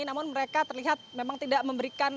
namun mereka terlihat memang tidak memberikan